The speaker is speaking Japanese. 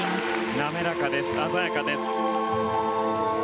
滑らかです鮮やかです。